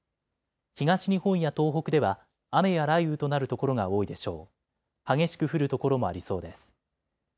東日本や東北では雨や雷雨となる所が多いでしょう。